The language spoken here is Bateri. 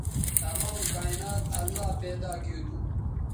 تمام کائنات اللہ پیدا گیو تھو